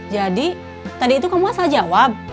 jadi tadi itu kamu salah jawab